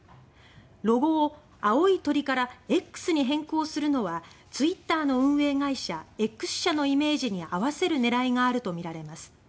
ロゴを青い鳥から「Ｘ」に変更するのはツイッターの運営会社Ｘ社のイメージに合わせる狙いがあるとみられます。